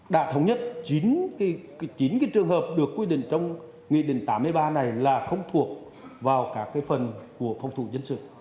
đã thống nhất chín cái trường hợp được quy định trong nghị định tám mươi ba này là không thuộc vào cả cái phần của phòng thủ dân sự